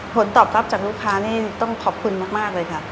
ผลตอบรับจากลูกค้านี่ต้องขอบคุณมากเลยค่ะ